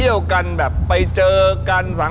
พร้อมกันนะครับเตรียมตัว